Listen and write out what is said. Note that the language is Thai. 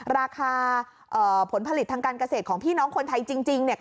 ราคาผลผลิตทางการเกษตรของพี่น้องคนไทยจริง